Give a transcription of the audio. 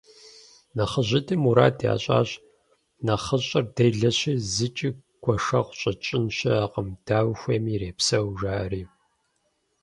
НэхъыжьитӀым мурад ящӀащ: «НэхъыщӀэр делэщи, зыкӀи гуэшэгъу щӀэтщӀын щыӀэкъым, дауэ хуейми ирепсэу», – жаӀэри.